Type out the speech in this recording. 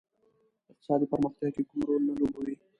په اقتصادي پرمختیا کې کوم رول نه لوبوي.